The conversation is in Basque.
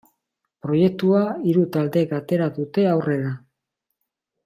Proiektua hiru taldek atera dute aurrera.